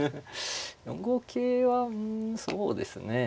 ４五桂はうんそうですね